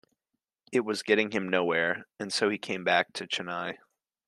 It was getting him nowhere and so he came back to Chennai.